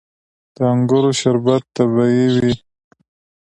د انګورو شربت طبیعي وي.